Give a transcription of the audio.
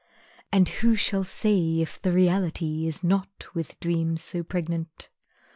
And who shall say if the reality Is not with dreams so pregnant.